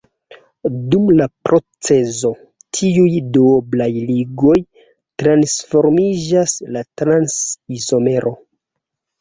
Dum la procezo tiuj duoblaj ligoj transformiĝas la trans-izomero.